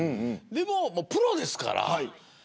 でもプロですから。